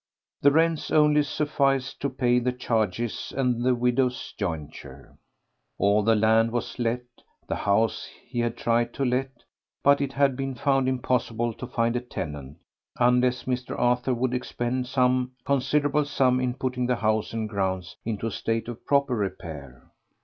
The rents only sufficed to pay the charges and the widow's jointure. All the land was let; the house he had tried to let, but it had been found impossible to find a tenant, unless Mr. Arthur would expend some considerable sum in putting the house and grounds into a state of proper repair.